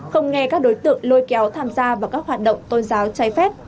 không nghe các đối tượng lôi kéo tham gia vào các hoạt động tôn giáo trái phép